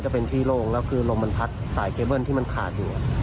จะเป็นที่โล่งแล้วคือลมมันพัดสายเคเบิ้ลที่มันขาดอยู่